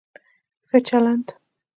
ښه چلند